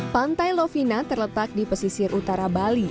pantai lovina terletak di pesisir utara bali